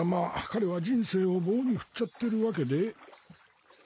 彼は人生を棒に振っちゃってるわけで。